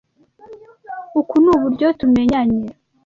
Uku nuburyo tumenyanye.